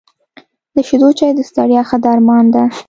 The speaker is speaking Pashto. د شيدو چای د ستړیا ښه درمان ده .